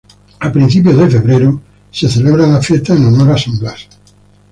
A principios de febrero se celebran las fiestas en honor a San Blas.